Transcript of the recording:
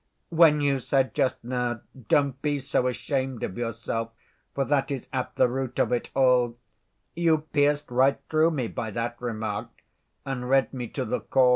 When you said just now, 'Don't be so ashamed of yourself, for that is at the root of it all,' you pierced right through me by that remark, and read me to the core.